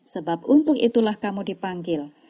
sebab untuk itulah kamu dipanggil